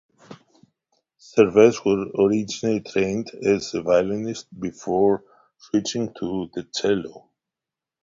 Servais was originally trained as a violinist before switching to the cello.